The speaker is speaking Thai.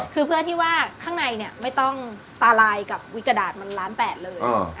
คือเพื่อที่ว่าข้างในเนี่ยไม่ต้องตาลายกับวิกระดาษมันล้าน๘เลย